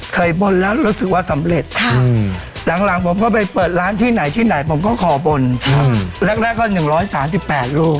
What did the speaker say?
บนแล้วรู้สึกว่าสำเร็จหลังผมก็ไปเปิดร้านที่ไหนที่ไหนผมก็ขอบนแรกก็๑๓๘รูป